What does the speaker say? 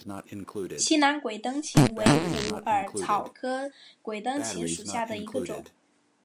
西南鬼灯檠为虎耳草科鬼灯檠属下的一个种。